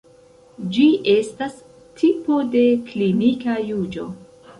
Ĝi estas tipo de klinika juĝo.